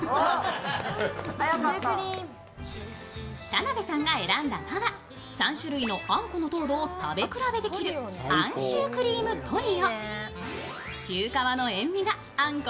田辺さんが選んだのは３種類のあんこの塔を食べ比べできるＡＮしゅーくりーむトリオ。